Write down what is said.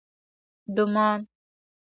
_ډمان